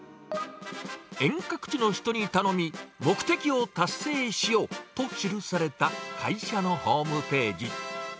遠隔地の人に頼み、目的を達成しよう！と記された、会社のホームページ。